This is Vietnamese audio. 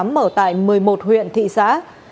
mở tại một mươi một huyện thị xã